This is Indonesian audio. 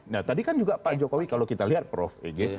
nah tadi kan juga pak jokowi kalau kita lihat prof ege